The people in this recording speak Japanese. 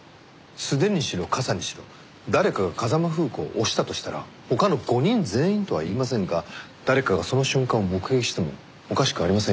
素手にしろ傘にしろ誰かが風間楓子を押したとしたら他の５人全員とは言いませんが誰かがその瞬間を目撃してもおかしくありませんよね。